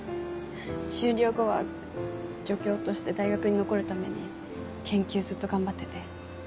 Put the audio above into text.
修了後は助教として大学に残るために研究ずっと頑張ってて。